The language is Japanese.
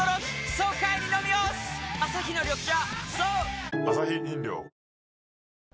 颯アサヒの緑茶